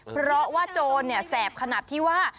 เพราะว่าโจรแสบขนาดที่ว่า